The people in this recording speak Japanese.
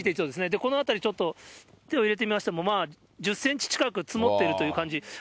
この辺りちょっと手を入れて見ましても、まあ１０センチ近く積もっているという感じ。